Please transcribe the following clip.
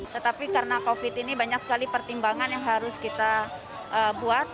tetapi karena covid ini banyak sekali pertimbangan yang harus kita buat